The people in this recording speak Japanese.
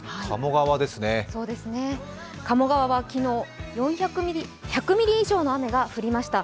鴨川は昨日１００ミリ以上の雨が降りました。